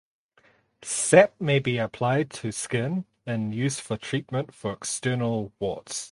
Sap may be applied to skin in use for treatment of external warts.